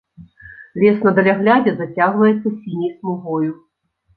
Лес на даляглядзе зацягваецца сіняй смугою.